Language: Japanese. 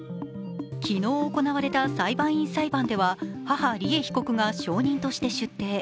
昨日行われた裁判員裁判では母・利恵被告が証人として出廷。